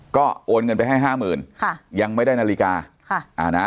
ก็โอนเงินไปให้๕๐๐๐๐ยังไม่ได้นาฬิกา